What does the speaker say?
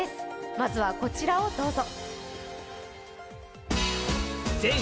まずは、こちらをどうぞ。